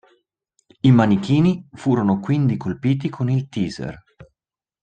I manichini furono quindi colpiti con il taser.